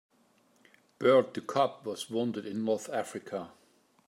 Bert the cop was wounded in North Africa.